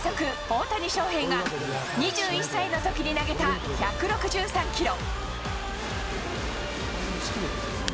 大谷翔平が、２１歳のときに投げた１６３キロ。